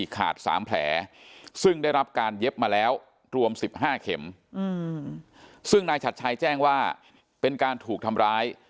๑๕เข็มซึ่งนายชัดชัยแจ้งว่าเป็นการถูกทำร้าย